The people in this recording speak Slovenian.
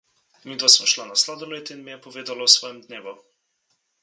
Midva sva šla na sladoled in mi je povedala o svojem dnevu.